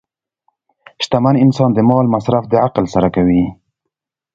شتمن انسان د مال مصرف د عقل سره کوي.